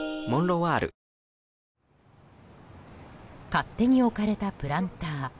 勝手に置かれたプランター。